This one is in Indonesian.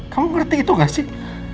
kamu ngerti itu gak sih